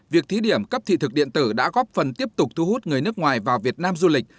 việc thí điểm cấp thị thực điện tử đã góp phần tiếp tục thu hút người nước ngoài vào việt nam du lịch